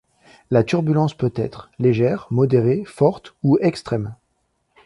La turbulence peut être, légère, modérée, forte ou extrême.